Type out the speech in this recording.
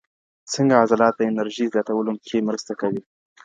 څنګه عضلات د انرژۍ زیاتولو کې مرسته کوي؟